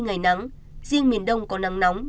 ngày nắng riêng miền đông có nắng nóng